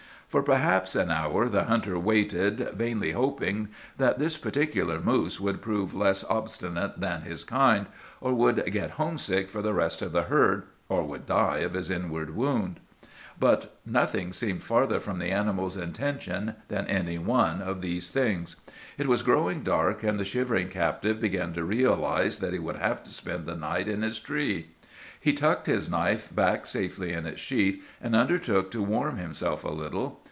"For perhaps an hour the hunter waited, vainly hoping that this particular moose would prove less obstinate than his kind, or would get homesick for the rest of the herd, or would die of his inward wound. "But nothing seemed farther from the animal's intention than any one of these things. It was growing dark, and the shivering captive began to realize that he would have to spend the night in his tree. "He tucked his knife back safely in its sheath, and undertook to warm himself a little.